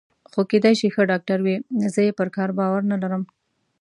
خو کېدای شي ښه ډاکټر وي، زه یې پر کار باور نه لرم.